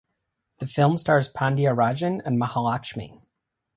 The film stars Pandiarajan and Mahalakshmi.